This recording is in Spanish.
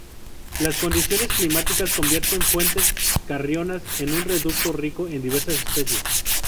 Las condiciones climáticas convierten Fuentes Carrionas en un reducto rico en diversas especies.